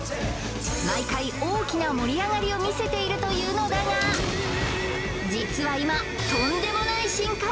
毎回大きな盛り上がりを見せているというのだが実は今とんでもない進化を遂げていた